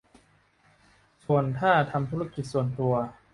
ส่วนถ้าทำธุรกิจส่วนตัว